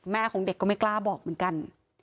ของเด็กก็ไม่กล้าบอกเหมือนกัน